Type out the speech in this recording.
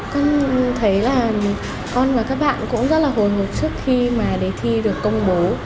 con thấy là con và các bạn cũng rất là hồi hộp trước khi mà đề thi được công bố